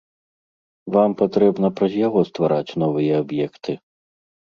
Вам патрэбна праз яго ствараць новыя аб'екты.